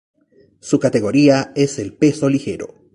Su categoría es el peso ligero.